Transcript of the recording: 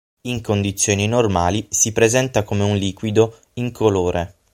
In condizioni normali si presenta come un liquido incolore.